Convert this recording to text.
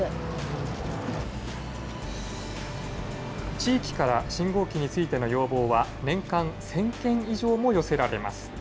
地域から信号機についての要望は、年間１０００件以上も寄せられます。